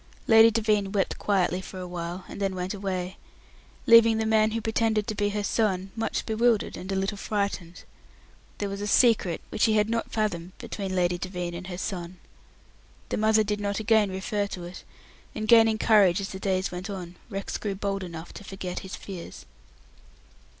Lady Devine wept quietly for a while, and then went away, leaving the man who pretended to be her son much bewildered and a little frightened. There was a secret which he had not fathomed between Lady Devine and her son. The mother did not again refer to it, and, gaining courage as the days went on, Rex grew bold enough to forget his fears.